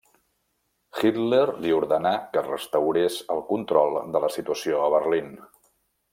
Hitler li ordenà que restaurés el control de la situació a Berlín.